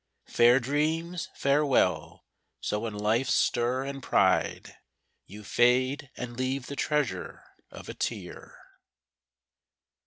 Fair dreams, farewell! So in life's stir and pride You fade, and leave the treasure of a tear!